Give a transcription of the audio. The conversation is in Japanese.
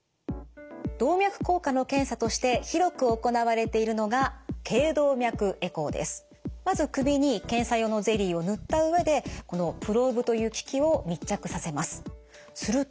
動脈硬化の検査として広く行われているのがまず首に検査用のゼリーを塗った上でこのプローブという機器を密着させます。